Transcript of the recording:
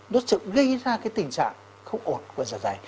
nó sẽ gây ra cái tình trạng không ổn của giả giải